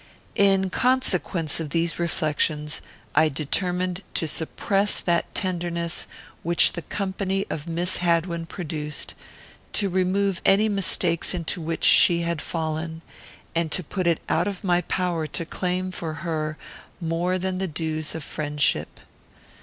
In consequence of these reflections, I determined to suppress that tenderness which the company of Miss Hadwin produced, to remove any mistakes into which she had fallen, and to put it out of my power to claim for her more than the dues of friendship.